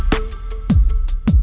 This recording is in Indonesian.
gak ada yang nungguin